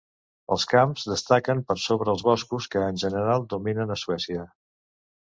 Els camps destaquen per sobre els boscos que en general dominen a Suècia.